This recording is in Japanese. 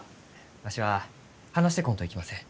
わしは話してこんといきません。